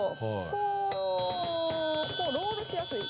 こうロールしやすい。